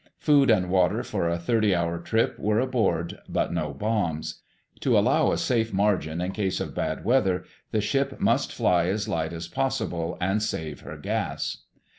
Food and water for a thirty hour trip were aboard, but no bombs. To allow a safe margin in case of bad weather, the ship must fly as light as possible and save her gas.